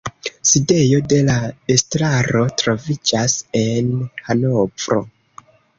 Sidejo de la estraro troviĝas en Hanovro.